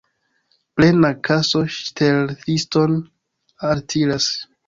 Plena kaso ŝteliston altiras.